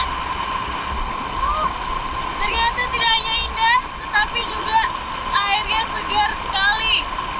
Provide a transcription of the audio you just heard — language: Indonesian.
ternyata tidak hanya indah tetapi juga airnya segar sekali